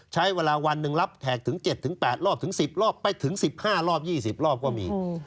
ใช้เวลาวันหนึ่งรับแขกถึง๗๘รอบถึง๑๐รอบไปถึง๑๕รอบ๒๐รอบก็มี